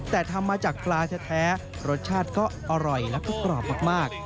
แต่ทำมาจากปลาแท้รสชาติก็อร่อยแล้วก็กรอบมาก